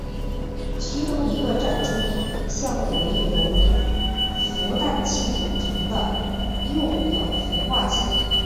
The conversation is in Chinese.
其中一个展出项目为由孵蛋器组成的幼鸡孵化器。